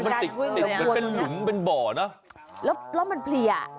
มันติดเหมือนเป็นหลุมเป็นบ่อเนอะแล้วแล้วมันเพลีย